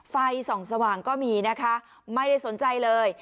ไฟส่องสว่างก็มีนะคะไม่ได้สนใจเลย